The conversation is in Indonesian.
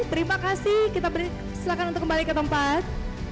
terima kasih silahkan untuk kembali ke tempat